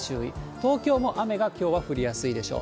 東京も雨がきょうは降りやすいでしょう。